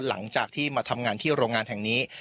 หลังจากที่มาทำงานที่โรงงานแห่งนี้